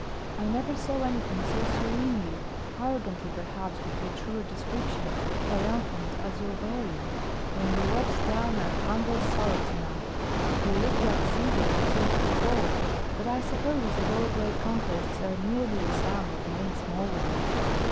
"I never saw anything so serenely arrogantly, perhaps would be a truer description triumphant as your bearing when you walked down our humble sala to night. You looked like Caesar returned from Gaul; but I suppose that all great conquests are merely the sum of many small ones."